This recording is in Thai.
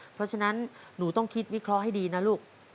เพราะฉะนั้นหนูต้องคิดวิเคราะห์ให้ดีนะลูก